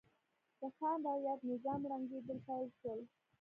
د خان رعیت نظام ړنګېدل پیل شول.